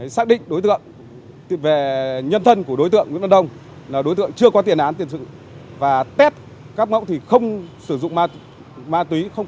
xác định đối tượng về nhân thân của đối tượng nguyễn văn đông là đối tượng chưa có tiền án tiền sự và test các mẫu thì không sử dụng ma túy